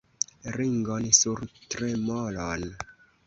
Ringon sur tremolon!